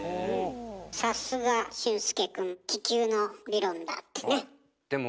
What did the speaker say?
さすが俊介くん「気球の理論だ」ってね。